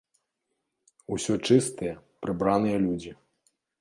Усё чыстыя, прыбраныя людзі.